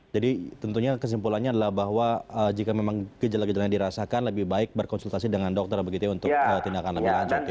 jadi tentunya kesimpulannya adalah bahwa jika memang gejala gejalanya dirasakan lebih baik berkonsultasi dengan dokter begitu ya untuk tindakan lebih lanjut ya